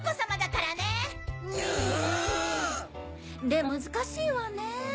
でも難しいわねぇ。